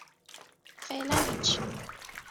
فعلن هیچی